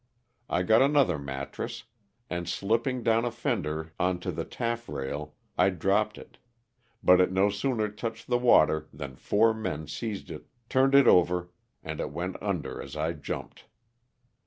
I got another mattress, and slipping down a fender onto the taffrail I dropped it, but it no sooner touched the water than four men seized it, turned it over, and it went under as I jumped.